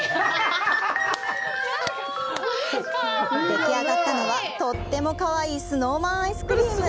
でき上がったのは、とってもかわいいスノーマンアイスクリーム。